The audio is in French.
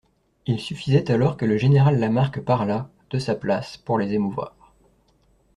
Il suffisait alors que le général Lamarque parlât, de sa place, pour les émouvoir.